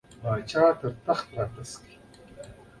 د کار د نوعیت په پام کې نیولو سره باید حفاظتي وسایل وکاروي.